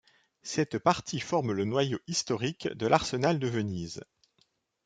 Cette partie forme le noyau historique de l'Arsenal de Venise.